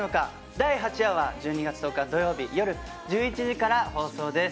第８話は１２月１０日土曜日よる１１時から放送です。